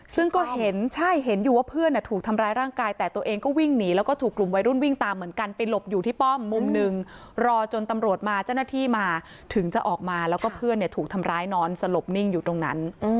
ซึ่งก็เห็นใช่เห็นอยู่ว่าเพื่อนถูกทำร้ายร่างกายแต่ตัวเองก็วิ่งหนีแล้วก็ถูกกลุ่มวัยรุ่นวิ่งตามเหมือนกันไปหลบอยู่ที่ป้อมมุมหนึ่งรอจนตำรวจมาเจ้าหน้าที่มาถึงจะออกมาแล้วก็เพื่อนถูกทำร้ายนอนสลบนิ่งอยู่ตรงนั้น